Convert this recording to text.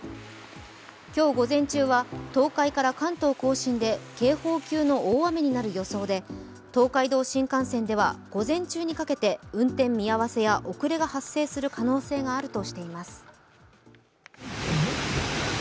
今日午前中は東海から関東甲信で警報級の大雨になる予想で東海道新幹線では、午前中にかけて運転見合わせや遅れが発生する可能性があるとしています。